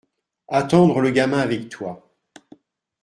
attendre le gamin avec toi